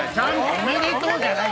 おめでとうじゃない。